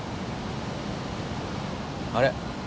あれ？